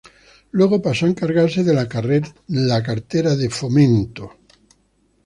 Luego pasó a encargarse de la cartera de Fomento.